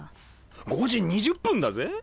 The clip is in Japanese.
５時２０分だぜ。